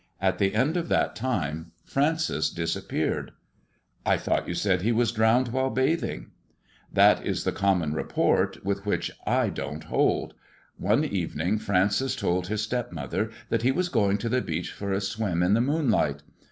At the end of that time Francis disappeared." " I thought you said he was drowned while bathing ]"" That is the common report, with which I don't hold. One evening Francis told his stepmother that he was going to the beach for a swim in the moonlight.